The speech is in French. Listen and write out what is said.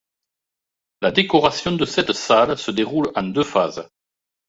La décoration de cette salle se déroule en deux phases.